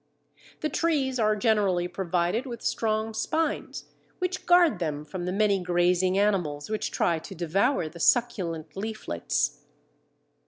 The trees are generally provided with strong spines, which guard them from the many grazing animals which try to devour the succulent leaflets.